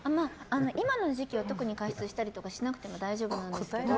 今の時期は特に加湿しなくても大丈夫なんですけど。